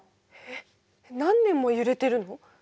えっ何年も揺れてるの？